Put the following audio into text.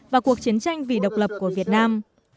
và cuộc chiến tranh vì độc lập của việt nam